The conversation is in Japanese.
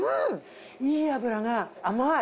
いい脂甘い。